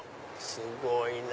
すごいね！